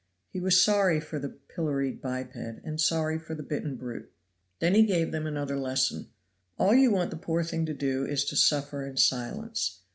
He was sorry for the pilloried biped, and sorry for the bitten brute. He then gave them another lesson. "All you want the poor thing to do is to suffer in silence.